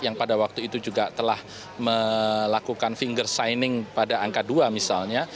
yang pada waktu itu juga telah melakukan finger signing pada angka dua misalnya